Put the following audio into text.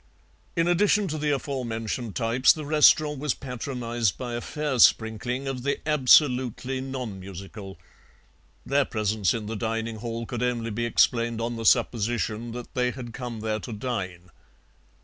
"In addition to the aforementioned types the restaurant was patronized by a fair sprinkling of the absolutely nonmusical; their presence in the dining hall could only be explained on the supposition that they had come there to dine.